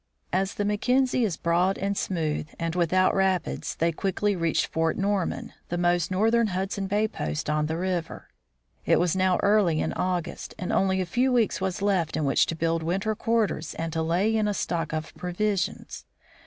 As the Mackenzie is broad and smooth and without rapids, they quickly reached Fort Norman, the most north ern Hudson bay post on the river. It was now early in August, and only a few weeks were left in which to build winter quarters and to lay in a stock of provisions.